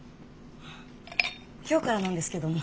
今日からなんですけども。